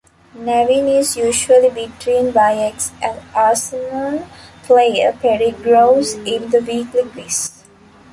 Nevin is usually beaten by ex-Arsenal player Perry Groves in the weekly quiz.